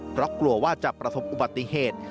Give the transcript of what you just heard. เพราะกลัวว่าจะประสบอุบัติเหตุ